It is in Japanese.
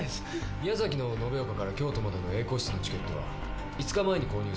宮崎の延岡から京都までのＡ個室のチケットは５日前に購入されてます。